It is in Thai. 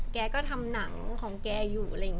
แกก็ทำหนังของแกอยู่